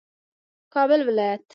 کابل ولایت